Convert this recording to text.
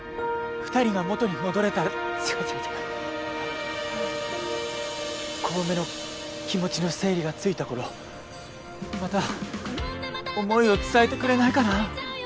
２人が元に戻れたら違う違う違う小梅の気持ちの整理がついた頃また思いを伝えてくれないかな？